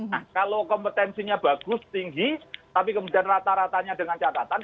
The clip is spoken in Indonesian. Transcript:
nah kalau kompetensinya bagus tinggi tapi kemudian rata ratanya dengan catatan